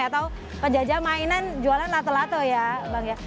atau penjajah mainan jualan lato lato ya bang ya